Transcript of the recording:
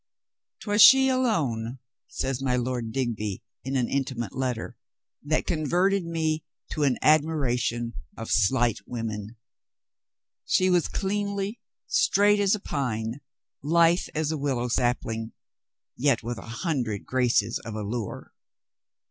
" 'Twas she alone," says my Lord Digby in an intimate letter, "that converted me to an admiration of slight women. She was cleanly, straight as a pine, lithe as a willow sapling, yet with a hundred graces of allure."